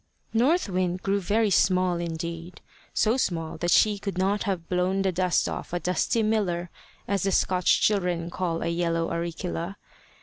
North Wind grew very small indeed, so small that she could not have blown the dust off a dusty miller, as the Scotch children call a yellow auricula.